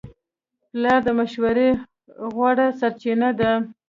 پلار د مشورې غوره سرچینه ده.